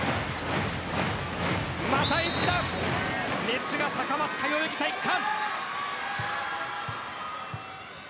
また一段、熱が高まった代々木体育館。